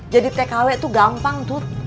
jadi tkw tuh gampang tut